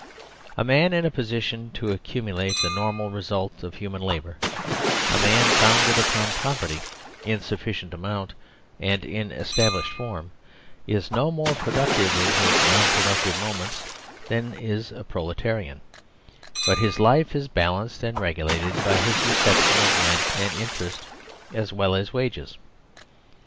A man in a position to accumulate (the normal result of human labour), a man founded upon pro perty in sufficient amount and in established form is no more productive in his non productive moments than is a proletarian ; but his life is balanced and re gulated by his reception of rent and interest as well as wages.